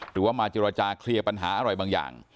หรือว่ามาเจรจาเคลียร์ปัญหาอะไรบางอย่าง